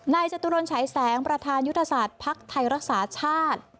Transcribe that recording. จตุรนฉายแสงประธานยุทธศาสตร์ภักดิ์ไทยรักษาชาติ